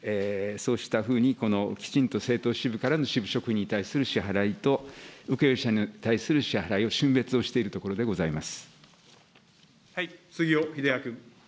そうしたふうに、きちんと政党支部から支部職員に対する支払いと、請け負い者に対する支払いをしゅん別をしているところでございま杉尾秀哉君。